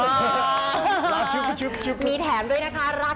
สวัสดีครับสวัสดีครับ